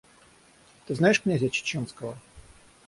Ты знаешь князя Чеченского?